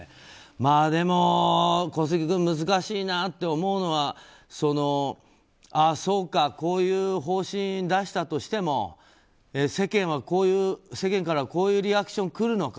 でも、小杉君難しなって思うのはああ、そうかこういう方針を出したとしても世間からはこういうリアクションがくるのか。